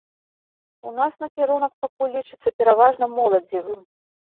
У нас накірунак пакуль лічыцца пераважна моладзевым.